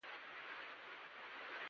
د کرزي د راتګ سره کابل بېرته ودان سو